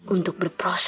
aduh edek dong